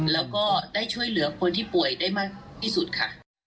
แล้วก็ได้ช่วยเหลือคนที่ป่วยได้มากที่สุดค่ะ